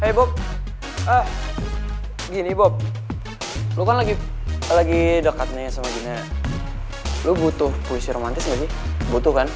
hai bob ah gini bob lu kan lagi lagi dekatnya sama gini lu butuh puisi romantis lagi butuhkan